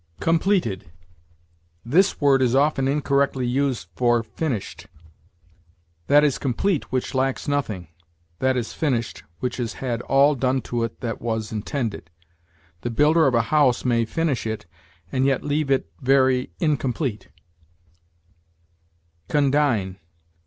COMPLETED. This word is often incorrectly used for finished. That is complete which lacks nothing; that is finished which has had all done to it that was intended. The builder of a house may finish it and yet leave it very incomplete. CONDIGN.